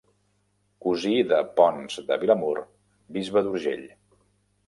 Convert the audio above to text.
Cosí de Ponç de Vilamur, bisbe d'Urgell.